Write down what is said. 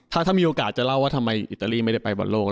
เดียวนี่มีโอกาสจะเล่าทำไมอิตาลีไม่ได้ไปบ่นโลก